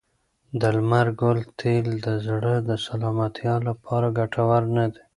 د لمر ګل تېل د زړه د سلامتیا لپاره ګټور نه دي.